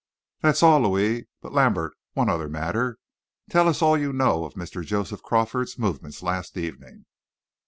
"That's all, Louis.... But, Lambert, one other matter. Tell us all you know of Mr. Joseph Crawford's movements last evening."